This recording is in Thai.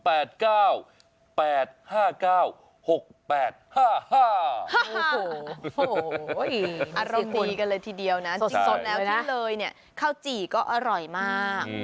โอ้โหอารมณ์ดีกันเลยทีเดียวนะจริงแล้วนี่เลยเนี่ยข้าวจี่ก็อร่อยมาก